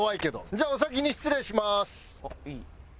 じゃあお先に失礼します。